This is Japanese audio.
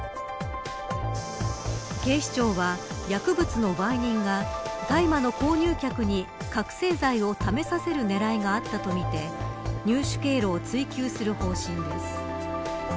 警視庁は、薬物の売人が大麻の購入客に覚せい剤を試させる狙いがあったとみて入手経路を追及する方針です。